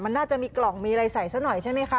มันน่าจะมีกล่องมีอะไรใส่ซะหน่อยใช่ไหมคะ